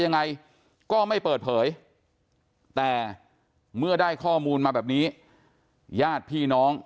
ยังไงก็ไม่เปิดเผยแต่เมื่อได้ข้อมูลมาแบบนี้ญาติพี่น้อง